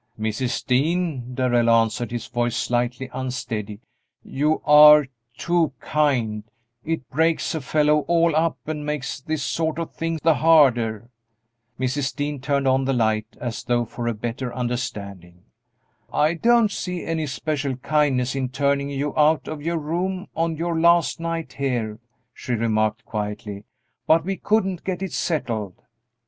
"Mrs. Dean," Darrell answered, his voice slightly unsteady, "you are too kind; it breaks a fellow all up and makes this sort of thing the harder!" Mrs. Dean turned on the light as though for a better understanding. "I don't see any special kindness in turning you out of your room on your last night here," she remarked, quietly, "but we couldn't get it settled."